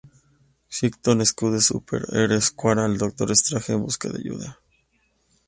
Chthon acude al Super Hero Squad y al Doctor Strange en busca de ayuda.